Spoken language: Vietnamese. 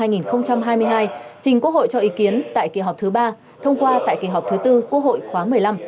trình quốc hội cho ý kiến tại kỳ họp thứ ba thông qua tại kỳ họp thứ tư quốc hội khóa một mươi năm